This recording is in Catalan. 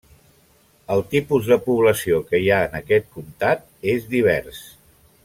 El tipus de població que hi ha en aquest comtat és divers.